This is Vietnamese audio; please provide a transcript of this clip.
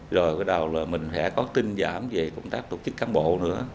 rồi bắt đầu là mình sẽ có tinh giảm về công tác tổ chức cán bộ nữa